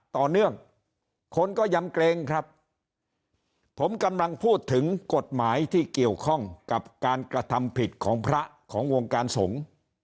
ต่อเนื่องคนก็ยำเกรงครับผมกำลังพูดถึงกฎหมายที่เกี่ยวข้องกับการกระทำผิดของพระของวงการสงฆ์